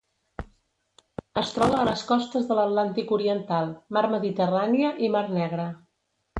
Es troba a les costes de l'Atlàntic oriental, Mar Mediterrània i Mar Negra.